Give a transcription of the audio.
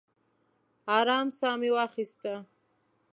ارام ساه مې واخیسته.